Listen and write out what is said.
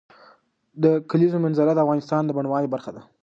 د کلیزو منظره د افغانستان د بڼوالۍ برخه ده.